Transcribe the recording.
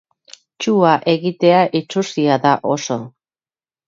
Txua egitea itsusia da, oso.